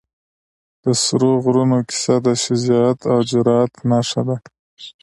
د سرو غرونو کیسه د شجاعت او جرئت نښه ده.